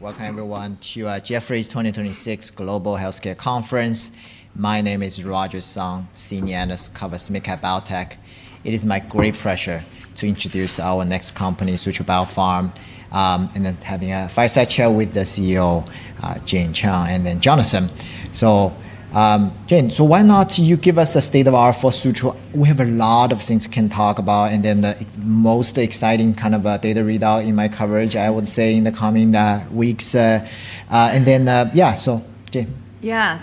Welcome everyone to Jefferies Global Healthcare Conference 2026. My name is Roger Song, Senior Analyst covers mid-cap biotech. It is my great pleasure to introduce our next company, Sutro Biopharma, having a fireside chat with the CEO, Jane Chung, Jonathan. Jane, why not you give us a state of our Sutro. We have a lot of things can talk about, the most exciting kind of data readout in my coverage, I would say, in the coming weeks. Yeah, Jane. Yeah.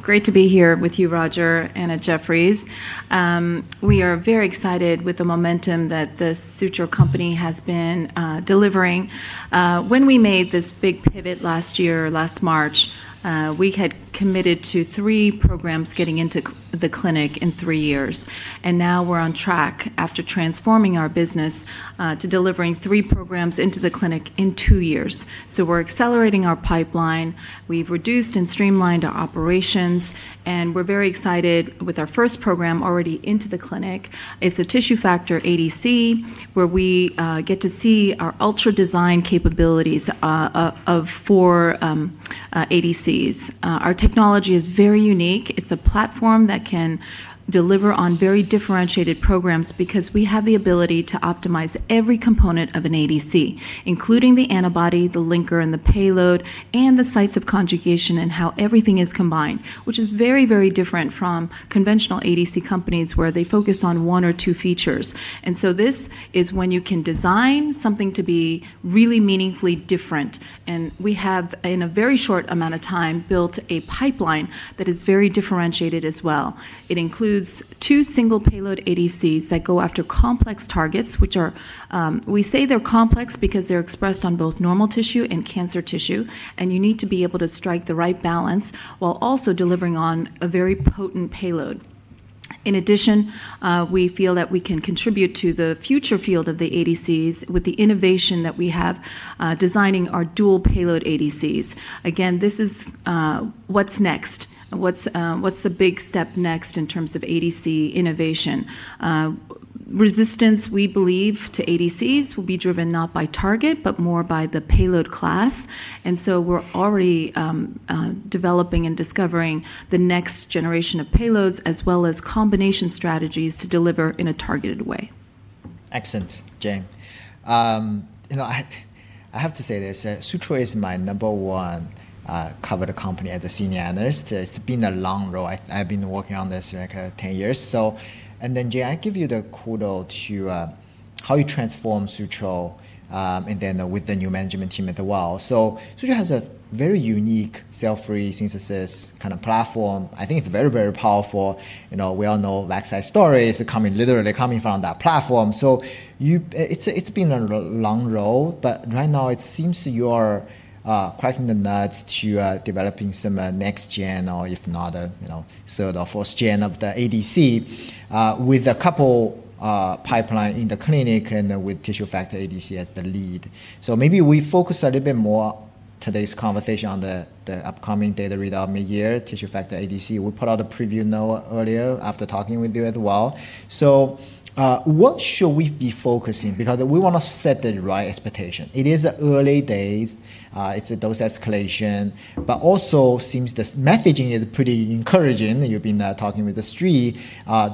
Great to be here with you, Roger, and at Jefferies. We are very excited with the momentum that the Sutro company has been delivering. When we made this big pivot last year, last March, we had committed to three programs getting into the clinic in three years, now we're on track after transforming our business, to delivering three programs into the clinic in two years. We're accelerating our pipeline. We've reduced and streamlined our operations, we're very excited with our first program already into the clinic. It's a tissue factor ADC, where we get to see our ultra design capabilities of four ADCs. Our technology is very unique. It's a platform that can deliver on very differentiated programs because we have the ability to optimize every component of an ADC, including the antibody, the linker, and the payload, and the sites of conjugation and how everything is combined, which is very different from conventional ADC companies where they focus on one or two features. This is when you can design something to be really meaningfully different, and we have, in a very short amount of time, built a pipeline that is very differentiated as well. It includes two single payload ADCs that go after complex targets, which are, we say they're complex because they're expressed on both normal tissue and cancer tissue, and you need to be able to strike the right balance while also delivering on a very potent payload. In addition, we feel that we can contribute to the future field of the ADCs with the innovation that we have, designing our dual payload ADCs. This is what's next. What's the big step next in terms of ADC innovation? Resistance, we believe, to ADCs will be driven not by target, but more by the payload class, and so we're already developing and discovering the next generation of payloads as well as combination strategies to deliver in a targeted way. Excellent, Jane. I have to say this, Sutro is my number one covered company as a Senior Analyst. It's been a long road. I've been working on this like 10 years. And then Jane, I give you the kudos to how you transform Sutro, and then with the new management team as well. Sutro has a very unique cell-free synthesis kind of platform. I think it's very powerful. We all know Vaxcyte stories are coming literally coming from that platform. It's been a long road, but right now it seems you are cracking the nut to developing some next gen or if not, third or fourth gen of the ADC, with a couple pipeline in the clinic and with tissue factor ADC as the lead. Maybe we focus a little bit more today's conversation on the upcoming data readout midyear tissue factor ADC. We put out a preview note earlier after talking with you as well. What should we be focusing? Because we want to set the right expectation. It is early days. It's a dose escalation, but also seems this messaging is pretty encouraging. You've been talking with the street,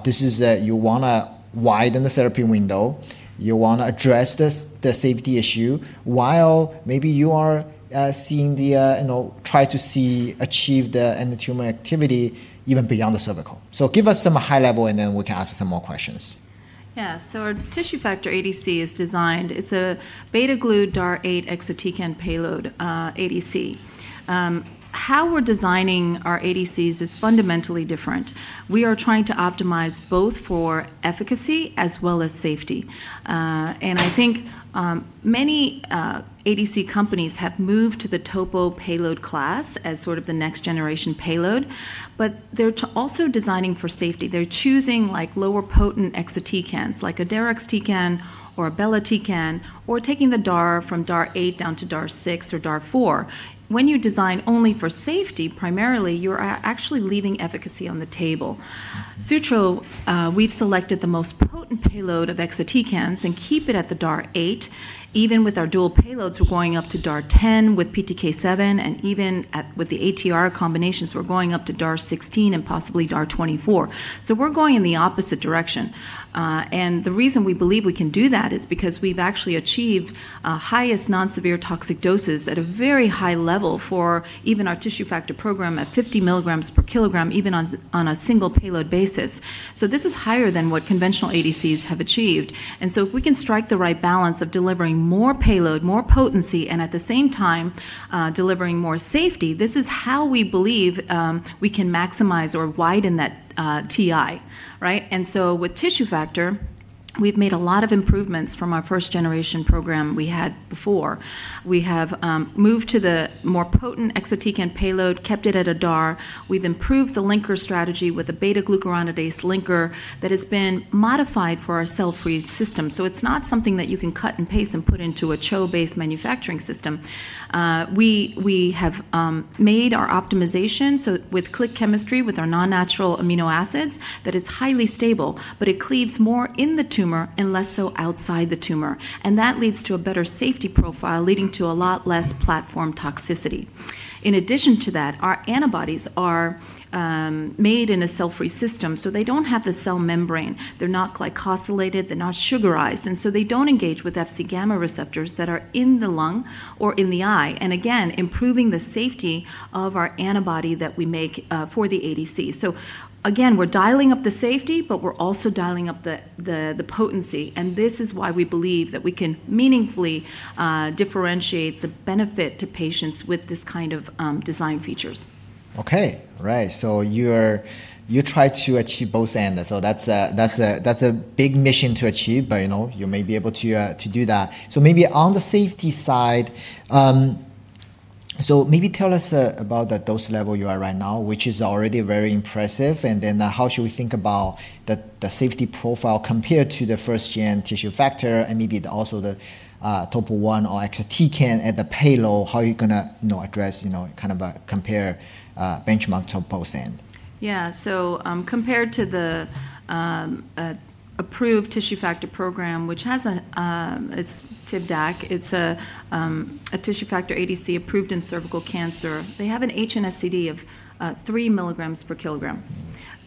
this is you want to widen the therapy window. You want to address the safety issue while maybe you are trying to achieve the anti-tumor activity even beyond the cervical. Give us some high level, and then we can ask some more questions. Our tissue factor ADC is designed, it's a β-glucuronide DAR 8 exatecan payload ADC. How we're designing our ADCs is fundamentally different. We are trying to optimize both for efficacy as well as safety. I think many ADC companies have moved to the Topo I payload class as sort of the next generation payload, but they're also designing for safety. They're choosing lower potent exatecans, like a deruxtecan or a belotecan, or taking the DAR from DAR 8 down to DAR 6 or DAR 4. When you design only for safety, primarily, you're actually leaving efficacy on the table. Sutro, we've selected the most potent payload of exatecans and keep it at the DAR 8. Even with our dual payloads, we're going up to DAR 10 with PTK7, and even with the ATR combinations, we're going up to DAR 16 and possibly DAR 24. We're going in the opposite direction. The reason we believe we can do that is because we've actually achieved highest non-severe toxic doses at a very high level for even our tissue factor program at 50 mg/kg, even on a single payload basis. This is higher than what conventional ADCs have achieved. If we can strike the right balance of delivering more payload, more potency, and at the same time, delivering more safety, this is how we believe we can maximize or widen that TI, right? With tissue factor. We've made a lot of improvements from our first-generation program we had before. We have moved to the more potent exatecan payload, kept it at a DAR 8. We've improved the linker strategy with a beta-glucuronidase linker that has been modified for our cell-free system. It's not something that you can cut and paste and put into a CHO-based manufacturing system. We have made our optimization with click chemistry, with our non-natural amino acids that is highly stable, but it cleaves more in the tumor and less so outside the tumor. That leads to a better safety profile, leading to a lot less platform toxicity. In addition to that, our antibodies are made in a cell-free system, so they don't have the cell membrane. They're not glycosylated. They're not sugarized, they don't engage with Fcγ receptors that are in the lung or in the eye, and again, improving the safety of our antibody that we make for the ADC. Again, we're dialing up the safety, but we're also dialing up the potency, and this is why we believe that we can meaningfully differentiate the benefit to patients with this kind of design features. Okay. Right. You try to achieve both ends. That's a big mission to achieve, but you may be able to do that. Maybe on the safety side, maybe tell us about the dose level you are right now, which is already very impressive. How should we think about the safety profile compared to the first-gen tissue factor and maybe also the Topo I or exatecan at the payload? How are you going to address, kind of compare, benchmark to both end? Yeah. Compared to the approved tissue factor program, it's TIVDAK, it's a tissue factor ADC approved in cervical cancer. They have an HNSTD of 3 mg/kg.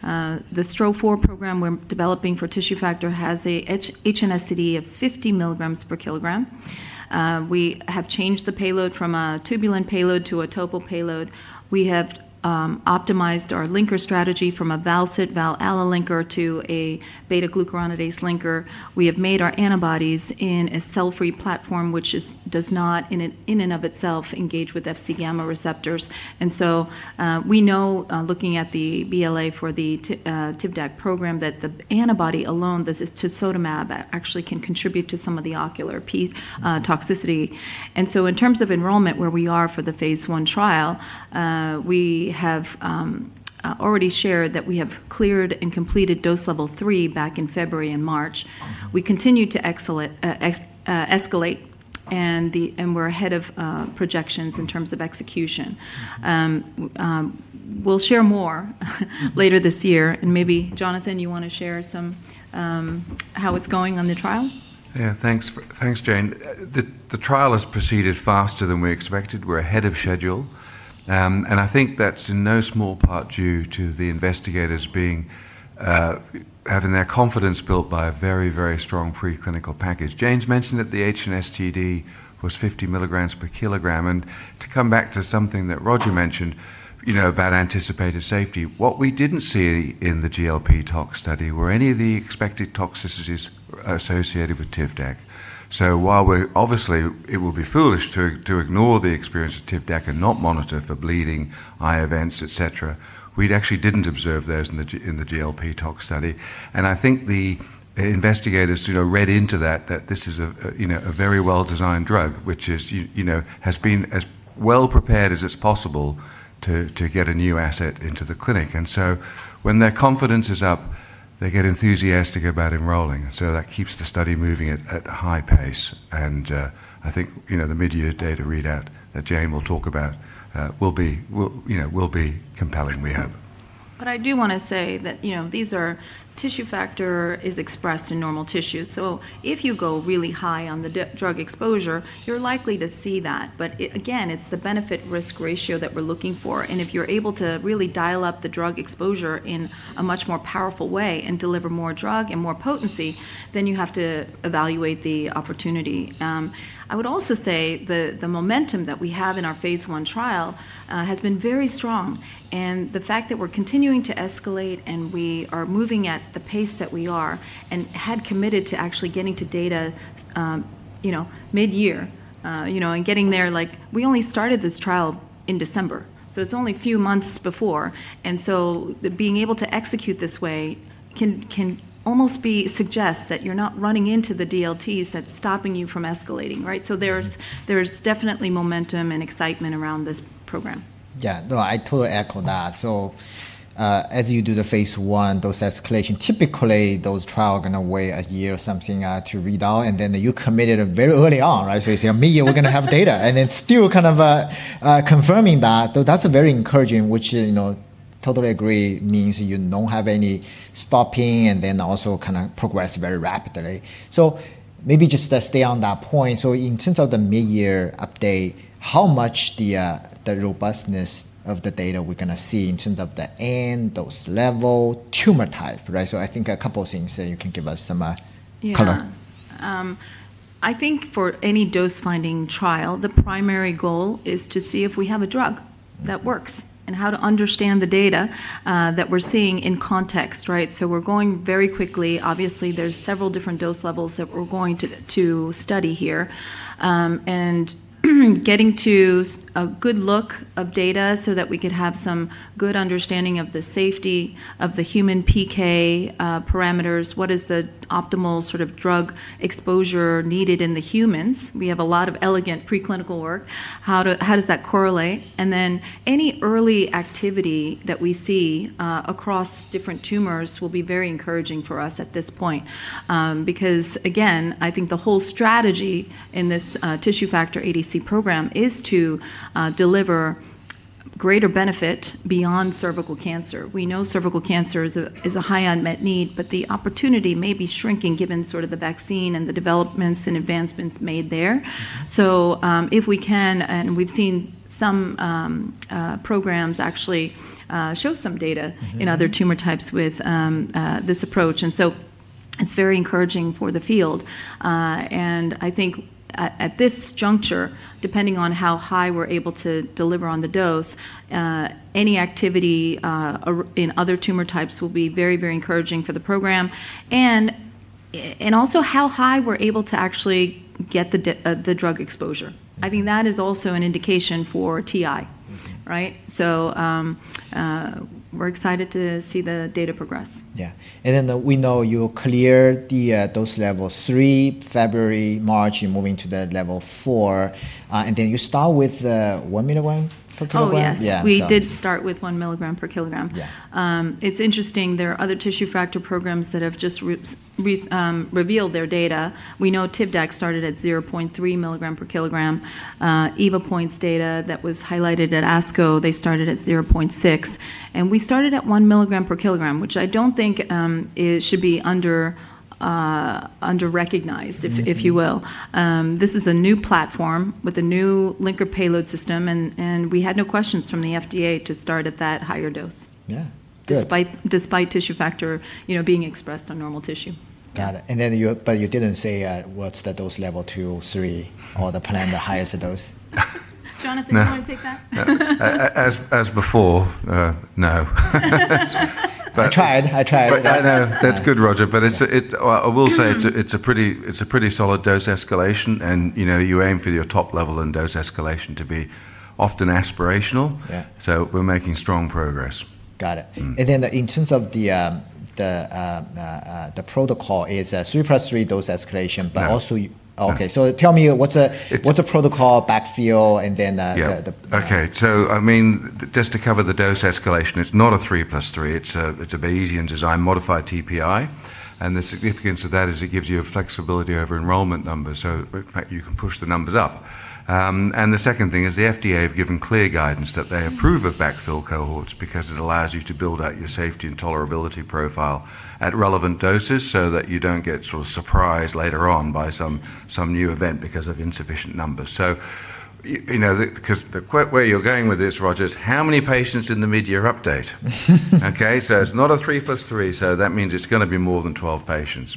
The STRO-004 program we're developing for tissue factor has a HNSTD of 50 mg/kg. We have changed the payload from a tubulin payload to a Topo payload. We have optimized our linker strategy from a val-cit/val-ala linker to a beta-glucuronidase linker. We have made our antibodies in a cell-free platform, which does not in and of itself engage with Fc gamma receptors. We know, looking at the BLA for the TIVDAK program, that the antibody alone, this tisotumab, actually can contribute to some of the ocular toxicity. In terms of enrollment, where we are for the phase I trial, we have already shared that we have cleared and completed dose level three back in February and March. We continue to escalate, and we're ahead of projections in terms of execution. We'll share more later this year. Maybe, Jonathan, you want to share how it's going on the trial? Yeah, thanks, Jane. The trial has proceeded faster than we expected. We're ahead of schedule. I think that's in no small part due to the investigators having their confidence built by a very, very strong pre-clinical package. Jane's mentioned that the HNSTD was 50 mg/kg, and to come back to something that Roger mentioned about anticipated safety, what we didn't see in the GLP tox study were any of the expected toxicities associated with TIVDAK. While obviously it would be foolish to ignore the experience of TIVDAK and not monitor for bleeding, eye events, et cetera, we'd actually didn't observe those in the GLP tox study. I think the investigators read into that this is a very well-designed drug, which has been as well prepared as is possible to get a new asset into the clinic. When their confidence is up, they get enthusiastic about enrolling. That keeps the study moving at a high pace, and I think the midyear data readout that Jane will talk about will be compelling we hope. I do want to say that tissue factor is expressed in normal tissue, so if you go really high on the drug exposure, you're likely to see that. Again, it's the benefit-risk ratio that we're looking for. If you're able to really dial up the drug exposure in a much more powerful way and deliver more drug and more potency, then you have to evaluate the opportunity. I would also say the momentum that we have in our phase I trial has been very strong. The fact that we're continuing to escalate and we are moving at the pace that we are and had committed to actually getting to data midyear, and getting there. We only started this trial in December, it's only a few months before. Being able to execute this way can almost suggest that you're not running into the DLTs that's stopping you from escalating. Right? There's definitely momentum and excitement around this program. Yeah. No, I totally echo that. As you do the phase I, dose escalation, typically those trial are going to wait a year or something to read out, and then you committed very early on, right? You say, "Midyear, we're going to have data." Still kind of confirming that, though that's very encouraging, which I totally agree means you don't have any stopping and then also progress very rapidly. Maybe just stay on that point. In terms of the midyear update, how much the robustness of the data we're going to see in terms of the end, dose level, tumor type, right? I think a couple of things that you can give us some color. Yeah. I think for any dose-finding trial, the primary goal is to see if we have a drug that works, and how to understand the data that we're seeing in context, right? We're going very quickly. Obviously, there's several different dose levels that we're going to study here, and getting to a good look of data so that we could have some good understanding of the safety of the human PK parameters. What is the optimal sort of drug exposure needed in the humans? We have a lot of elegant preclinical work. How does that correlate? Any early activity that we see across different tumors will be very encouraging for us at this point. Again, I think the whole strategy in this tissue factor ADC program is to deliver greater benefit beyond cervical cancer. We know cervical cancer is a high unmet need. The opportunity may be shrinking given the vaccine and the developments and advancements made there. If we can, and we've seen some programs actually show some data in other tumor types with this approach. It's very encouraging for the field. I think at this juncture, depending on how high we're able to deliver on the dose, any activity in other tumor types will be very, very encouraging for the program. Also how high we're able to actually get the drug exposure. I think that is also an indication for TI, right? We're excited to see the data progress. Yeah. We know you're clear the dose level three, February, March, you're moving to that level four. You start with 1 mg/kg? Oh, yes. Yeah. We did start with 1 mg/kg. Yeah. It's interesting, there are other tissue factor programs that have just revealed their data. We know TIVDAK started at 0.3 mg/kg. Evopoint's data that was highlighted at ASCO, they started at 0.6 mg/kg. We started at 1 mg/kg, which I don't think should be under-recognized if you will. This is a new platform with a new linker payload system. We had no questions from the FDA to start at that higher dose. Yeah. Good. Despite tissue factor being expressed on normal tissue. Got it. You didn't say what's the dose level two, three, or the plan the highest dose? Jonathan, do you want to take that? No. As before, no. I tried. I tried. I know. That's good, Roger, but I will say it's a pretty solid dose escalation, and you aim for your top level in dose escalation to be often aspirational. Yeah. We're making strong progress. Got it. In terms of the protocol is a 3+3 dose escalation. No. Okay, tell me what's a protocol backfill? Okay, just to cover the dose escalation, it's not a three plus three. It's a modified TPI. The significance of that is it gives you a flexibility over enrollment numbers, so in fact you can push the numbers up. The second thing is the FDA have given clear guidance that they approve of backfill cohorts because it allows you to build out your safety and tolerability profile at relevant doses so that you don't get sort of surprised later on by some new event because of insufficient numbers. The way you're going with this, Roger, is how many patients in the mid-year update? Okay? It's not a three plus three, so that means it's going to be more than 12 patients.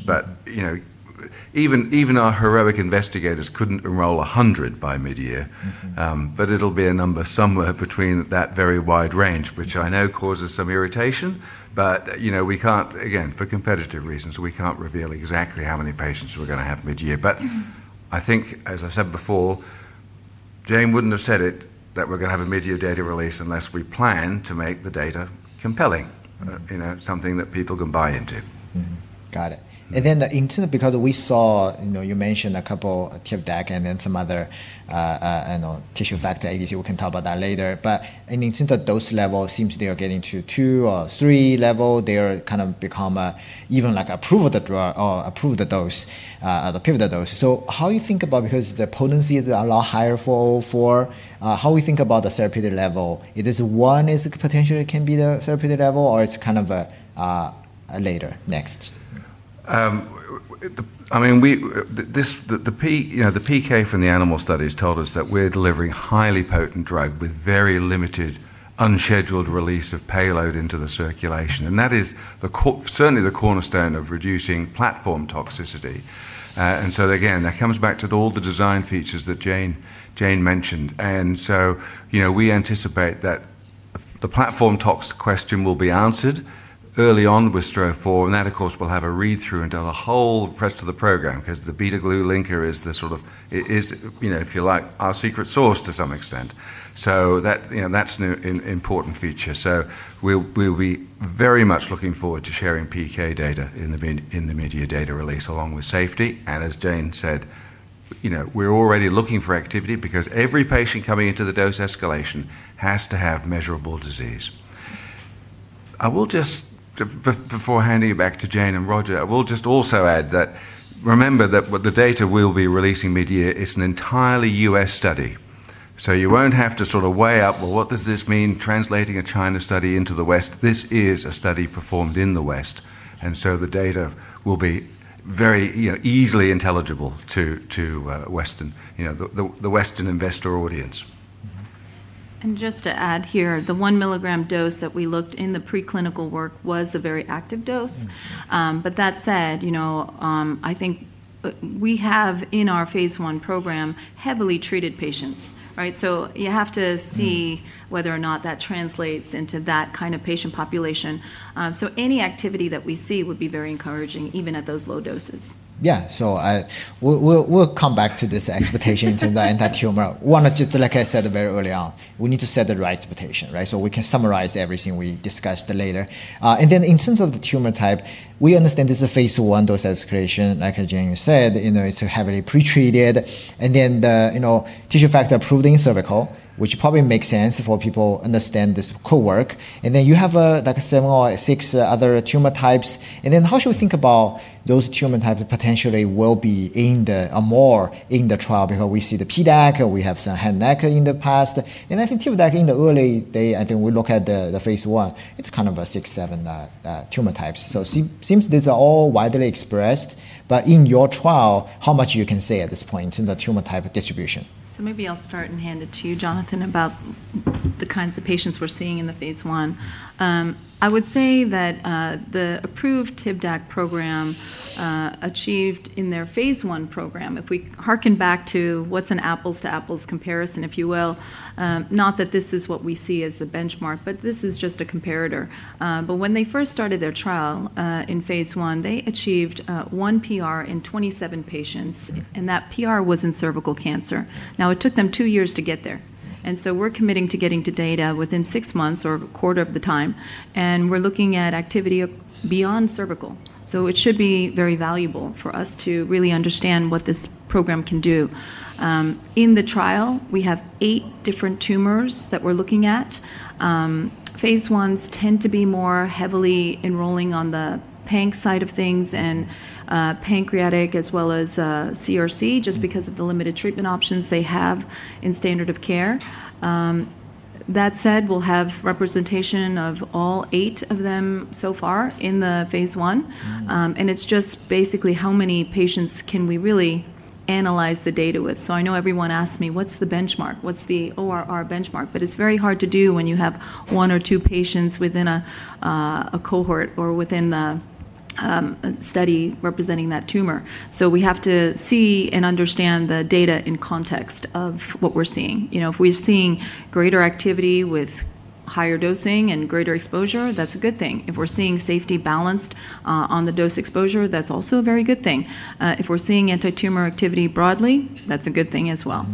Even our heroic investigators couldn't enroll 100 by mid-year. It'll be a number somewhere between that very wide range, which I know causes some irritation. We can't, again, for competitive reasons, we can't reveal exactly how many patients we're going to have mid-year. I think, as I said before, Jane wouldn't have said it, that we're going to have a mid-year data release unless we plan to make the data compelling. Something that people can buy into. Got it. Because we saw you mentioned a couple, TIVDAK and then some other tissue factor ADC, we can talk about that later. I mean, since the dose level seems they are getting to two or three level, they become even like approve the dose, the pivotal dose. How you think about, because the potency is a lot higher for STRO-004, how we think about the therapeutic level? It is one is potentially can be the therapeutic level or it's kind of later, next? The PK from the animal studies told us that we're delivering highly potent drug with very limited unscheduled release of payload into the circulation. That is certainly the cornerstone of reducing platform toxicity. Again, that comes back to all the design features that Jane mentioned. We anticipate that the platform tox question will be answered early on with STRO-004, and that of course will have a read-through into the whole rest of the program because the beta-glucuronide linker is, if you like, our secret sauce to some extent. That's an important feature. We'll be very much looking forward to sharing PK data in the mid-year data release along with safety. As Jane said, we're already looking for activity because every patient coming into the dose escalation has to have measurable disease. Before handing it back to Jane and Roger, I will just also add that remember that the data we'll be releasing mid-year is an entirely U.S. study. You won't have to sort of weigh up, well, what does this mean translating a China study into the West? This is a study performed in the West, the data will be very easily intelligible to the Western investor audience. Just to add here, the 1 mg dose that we looked in the preclinical work was a very active dose. That said, we have in our phase I program heavily treated patients, right? You have to see whether or not that translates into that kind of patient population. Any activity that we see would be very encouraging, even at those low doses. Yeah. We'll come back to this expectation to the anti-tumor. One, just like I said very early on, we need to set the right expectation, right? In terms of the tumor type, we understand this is a phase I dose escalation, like Jane said, it's heavily pretreated. The tissue factor approved in cervical, which probably makes sense for people understand this could work. You have like seven or six other tumor types, and then how should we think about those tumor types potentially will be more in the trial? Because we see the PDAC, we have some head neck in the past. I think TIVDAK in the early day, I think we look at the phase I, it's kind of a six, seven tumor types. Seems these are all widely expressed. In your trial, how much you can say at this point in the tumor type distribution? Maybe I'll start and hand it to you, Jonathan, about the kinds of patients we're seeing in the phase I. I would say that the approved TIVDAK program achieved in their phase I program, if we harken back to what's an apples to apples comparison, if you will, not that this is what we see as the benchmark, but this is just a comparator. When they first started their trial in phase I, they achieved one PR in 27 patients, and that PR was in cervical cancer. It took them two years to get there. We're committing to getting to data within six months or a quarter of the time. We're looking at activity beyond cervical. It should be very valuable for us to really understand what this program can do. In the trial, we have eight different tumors that we're looking at. Phase I tend to be more heavily enrolling on the panc side of things and pancreatic as well as CRC, just because of the limited treatment options they have in standard of care. That said, we'll have representation of all eight of them so far in the phase I. It's just basically how many patients can we really analyze the data with. I know everyone asks me, what's the benchmark? What's the ORR benchmark? It's very hard to do when you have one or two patients within a cohort or within the study representing that tumor. We have to see and understand the data in context of what we're seeing. If we're seeing greater activity with higher dosing and greater exposure, that's a good thing. If we're seeing safety balanced on the dose exposure, that's also a very good thing. If we're seeing anti-tumor activity broadly, that's a good thing as well.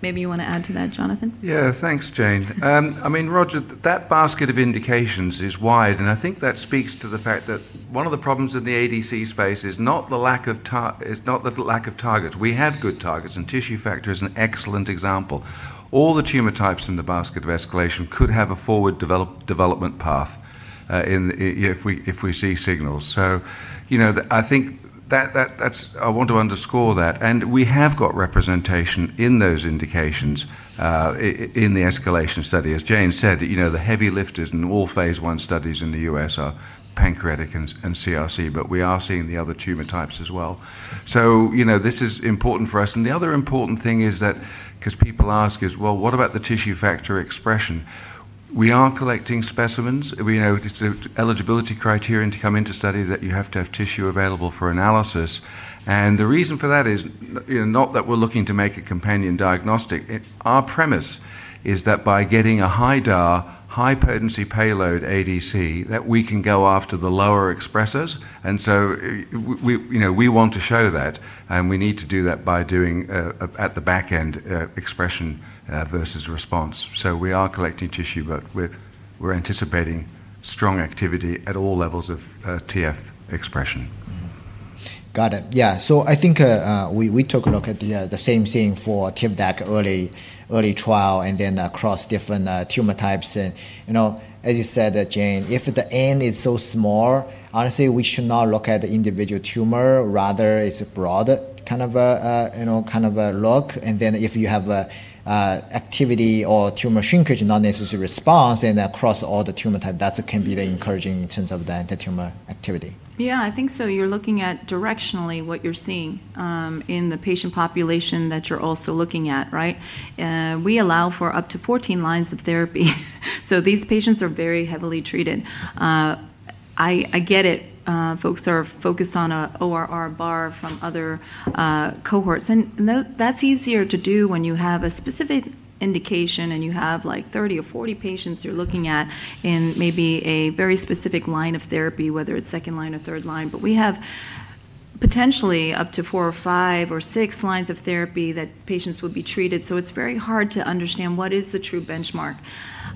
Maybe you want to add to that, Jonathan? Thanks, Jane. I mean Roger, that basket of indications is wide, and I think that speaks to the fact that one of the problems in the ADC space is not the lack of targets. We have good targets, and tissue factor is an excellent example. All the tumor types in the basket of escalation could have a forward development path if we see signals. I want to underscore that. We have got representation in those indications in the escalation study. As Jane said, the heavy lifters in all phase I studies in the U.S. are pancreatic and CRC, but we are seeing the other tumor types as well. This is important for us. The other important thing is that because people ask is, "Well, what about the tissue factor expression?" We are collecting specimens. It's an eligibility criterion to come into study that you have to have tissue available for analysis. The reason for that is not that we're looking to make a companion diagnostic. Our premise is that by getting a high DAR, high potency payload ADC, that we can go after the lower expressers. We want to show that, and we need to do that by doing at the back end expression versus response. We are collecting tissue, but we're anticipating strong activity at all levels of TF expression. Got it. Yeah. I think we took a look at the same thing for TIVDAK early trial and then across different tumor types. As you said, Jane, if the N is so small, honestly, we should not look at the individual tumor. Rather, it's a broad kind of a look. If you have activity or tumor shrinkage, not necessarily response, and across all the tumor type, that can be very encouraging in terms of the anti-tumor activity. I think so. You're looking at directionally what you're seeing in the patient population that you're also looking at, right? We allow for up to 14 lines of therapy so these patients are very heavily treated. I get it. Folks are focused on a ORR bar from other cohorts, and that's easier to do when you have a specific indication and you have like 30 or 40 patients you're looking at in maybe a very specific line of therapy, whether it's second line or third line. We have potentially up to four or five or six lines of therapy that patients would be treated. It's very hard to understand what is the true benchmark.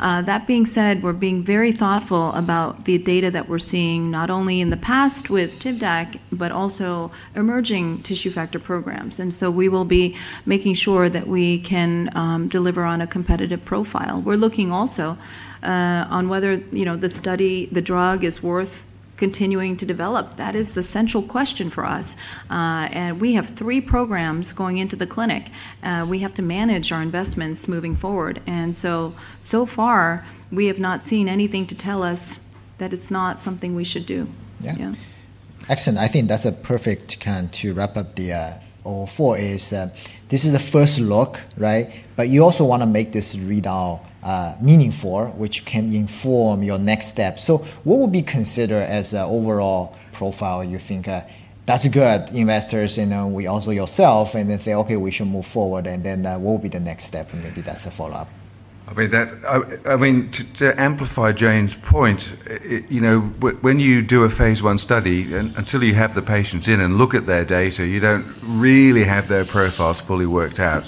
That being said, we're being very thoughtful about the data that we're seeing, not only in the past with TIVDAK, but also emerging tissue factor programs. We will be making sure that we can deliver on a competitive profile. We're looking also on whether the study, the drug is worth continuing to develop. That is the central question for us. We have three programs going into the clinic. We have to manage our investments moving forward. So far, we have not seen anything to tell us that it's not something we should do. Yeah. Yeah Excellent. I think that's a perfect time to wrap up the STRO-004 is this is the first look. You also want to make this readout meaningful, which can inform your next step. What would be considered as an overall profile you think that's good investors, we also yourself and then say, "Okay, we should move forward," and then what will be the next step and maybe that's a follow-up? To amplify Jane's point, when you do a phase I study, until you have the patients in and look at their data, you don't really have their profiles fully worked out.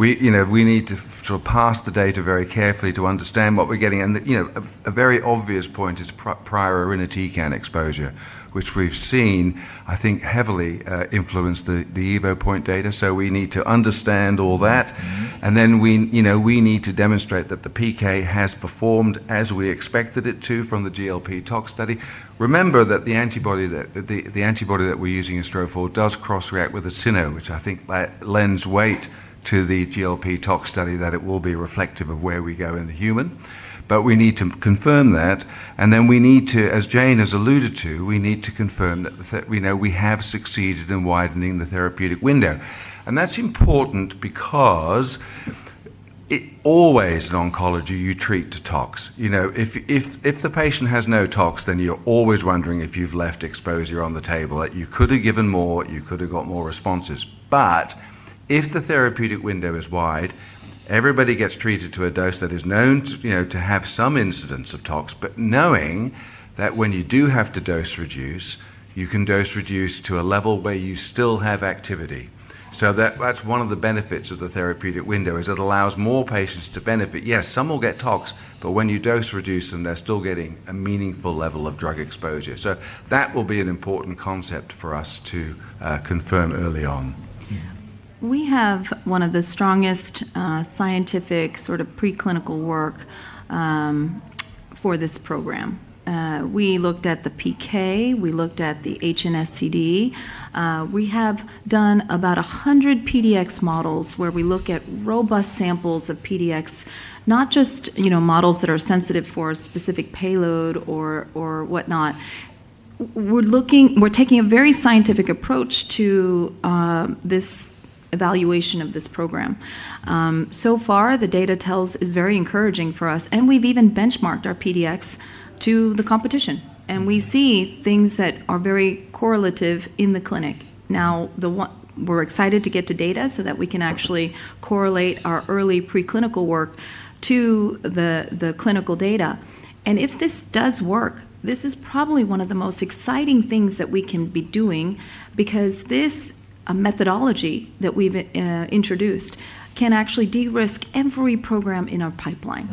We need to sort of parse the data very carefully to understand what we're getting. A very obvious point is prior irinotecan exposure, which we've seen, I think, heavily influence the Evopoint data. We need to understand all that. Then we need to demonstrate that the PK has performed as we expected it to from the GLP tox study. Remember that the antibody that we're using in STRO-004 does cross-react with cyno, which I think lends weight to the GLP tox study that it will be reflective of where we go in the human. We need to confirm that, and then as Jane has alluded to, we need to confirm that we know we have succeeded in widening the therapeutic window. That's important because always in oncology you treat to tox. If the patient has no tox then you're always wondering if you've left exposure on the table, that you could've given more, you could've got more responses. If the therapeutic window is wide, everybody gets treated to a dose that is known to have some incidence of tox, but knowing that when you do have to dose reduce, you can dose reduce to a level where you still have activity. That's one of the benefits of the therapeutic window is it allows more patients to benefit. Yes, some will get tox, but when you dose reduce them, they're still getting a meaningful level of drug exposure. That will be an important concept for us to confirm early on. Yeah. We have one of the strongest scientific sort of preclinical work for this program. We looked at the PK, we looked at the HNSTD. We have done about 100 PDX models where we look at robust samples of PDX, not just models that are sensitive for a specific payload or whatnot. We're taking a very scientific approach to this evaluation of this program. So far the data tells is very encouraging for us. We've even benchmarked our PDX to the competition. We see things that are very correlative in the clinic. Now, we're excited to get to data so that we can actually correlate our early preclinical work to the clinical data. If this does work, this is probably one of the most exciting things that we can be doing because this methodology that we've introduced can actually de-risk every program in our pipeline.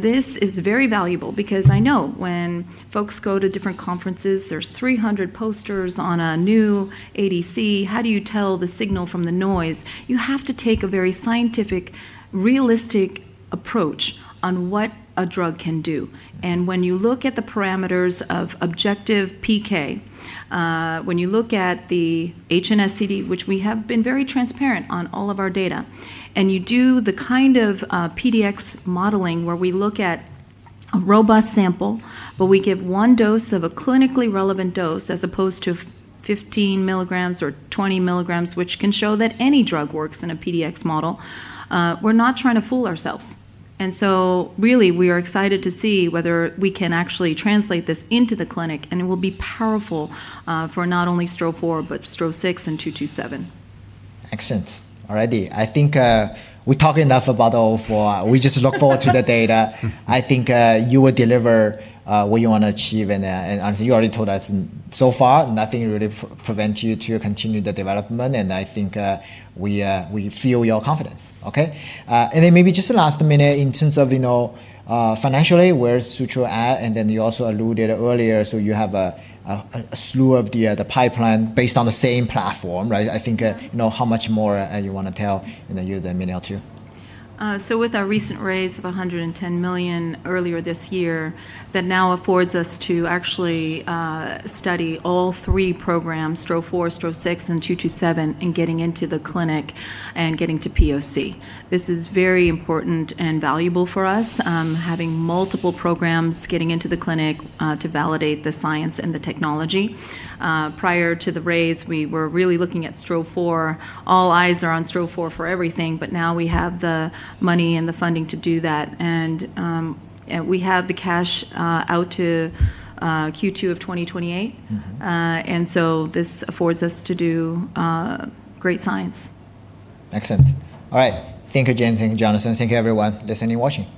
This is very valuable because I know when folks go to different conferences, there's 300 posters on a new ADC. How do you tell the signal from the noise? You have to take a very scientific, realistic approach on what a drug can do. When you look at the parameters of objective PK, when you look at the HNSTD, which we have been very transparent on all of our data, and you do the kind of PDX modeling where we look at a robust sample, but we give one dose of a clinically relevant dose as opposed to 15 mg or 20 mg, which can show that any drug works in a PDX model. We're not trying to fool ourselves. Really we are excited to see whether we can actually translate this into the clinic and it will be powerful for not only STRO-004 but STRO-006 and STRO-227. Excellent. All righty. I think we talk enough about STRO-004. We just look forward to the data. I think you will deliver what you want to achieve and as you already told us, so far, nothing really prevents you to continue the development, and I think we feel your confidence. Okay? Maybe just the last minute in terms of financially, where's Sutro at? You also alluded earlier, you have a slew of the pipeline based on the same platform, right? Yeah how much more you want to tell in a year, to you. With our recent raise of $110 million earlier this year, that now affords us to actually study all three programs, STRO-004, STRO-006, and STRO-227, and getting into the clinic and getting to POC. This is very important and valuable for us, having multiple programs, getting into the clinic, to validate the science and the technology. Prior to the raise, we were really looking at STRO-004. All eyes are on STRO-004 for everything, but now we have the money and the funding to do that. We have the cash out to Q2 of 2028. This affords us to do great science. Excellent. All right. Thank you, Jane. Thank you, Jonathan. Thank you everyone listening and watching.